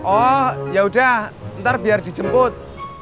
oh ya udah ntar biar dijemput